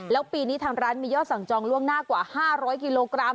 แล้วปีนี้ทางร้านมียอดสั่งจองล่วงหน้ากว่า๕๐๐กิโลกรัม